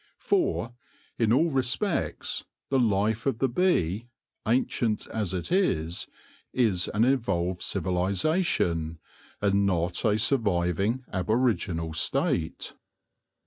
For, in all re spects, the life of the bee, ancient as it is, is an evolved civilisation, and not a surviving, aboriginal state.